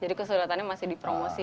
jadi kesulitannya masih dipromosi ya